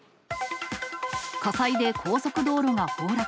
火災で高速道路が崩落。